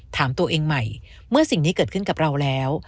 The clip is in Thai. ถามตัวเองใหม่เมื่อสิ่งนี้เกิดขึ้นกับเราแล้ว